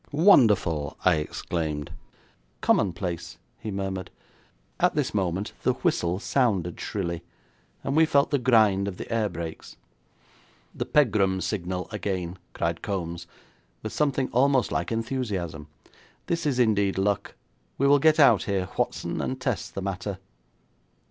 'Wonderful!' I exclaimed. 'Commonplace,' he murmured. At this moment the whistle sounded shrilly, and we felt the grind of the air brakes. 'The Pegram signal again,' cried Kombs, with something almost like enthusiasm. 'This is indeed luck. We will get out here, Whatson, and test the matter.'